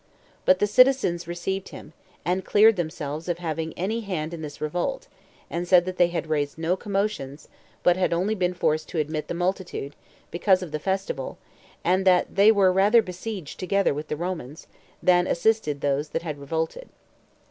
But the citizens received him, and cleared themselves of having any hand in this revolt, and said that they had raised no commotions, but had only been forced to admit the multitude, because of the festival, and that they were rather besieged together with the Romans, than assisted those that had revolted.